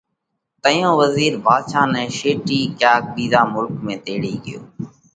تئيون وزِير ڀاڌشا نئہ شيٽِي ڪياڪ ٻِيزا ۮيه ۾ تيڙي ڳيو